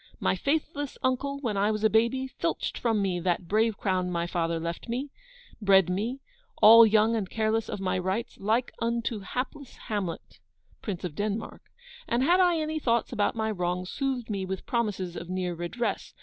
My faithless uncle, when I was a baby, filched from me that brave crown my father left me, bred me, all young and careless of my rights, like unto hapless Hamlet, Prince of Denmark; and had I any thoughts about my wrongs, soothed me with promises of near redress.